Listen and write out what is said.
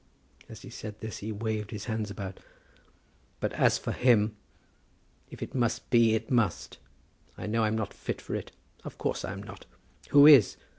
As he said this he waved his hands about. "But as for him, if it must be, it must. I know I'm not fit for it. Of course I am not. Who is?